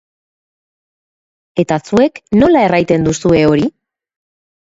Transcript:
Eta zuek nola erraiten duzue hori?